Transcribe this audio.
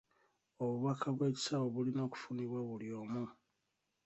Obubaka bw'ekisawo bulina okufunibwa buli omu